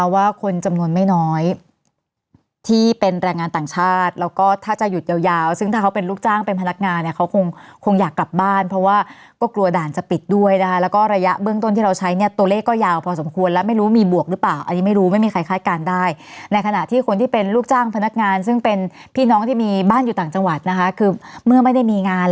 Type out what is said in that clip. ว่าคนจำนวนไม่น้อยที่เป็นแรงงานต่างชาติแล้วก็ถ้าจะหยุดยาวซึ่งถ้าเขาเป็นลูกจ้างเป็นพนักงานเนี่ยเขาคงคงอยากกลับบ้านเพราะว่ากลัวด่านจะปิดด้วยนะคะแล้วก็ระยะเบื้องต้นที่เราใช้เนี่ยตัวเลขก็ยาวพอสมควรแล้วไม่รู้มีบวกหรือเปล่าอันนี้ไม่รู้ไม่มีใครค้ายการได้ในขณะที่คนที่เป็นลูกจ้างพนักงานซ